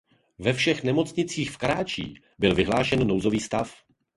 Ve všech nemocnicích v Karáčí byl vyhlášen nouzový stav.